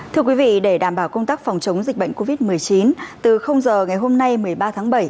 thưa quý vị để đảm bảo công tác phòng chống dịch bệnh covid một mươi chín từ giờ ngày hôm nay một mươi ba tháng bảy